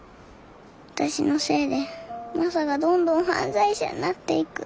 私のせいでマサがどんどん犯罪者になっていく。